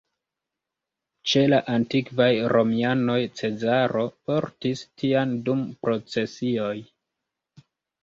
Ĉe la antikvaj romianoj Cezaro portis tian dum procesioj.